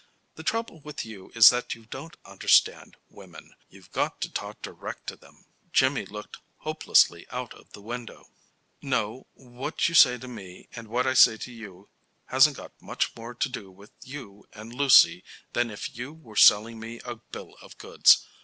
The trouble with you is that you don't understand women. You've got to talk direct to them." Jimmy looked hopelessly out of the window. "No; what you say to me and what I say to you hasn't any more to do with you and Lucy than if you were selling me a bill of goods.